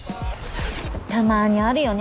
たまにあるよね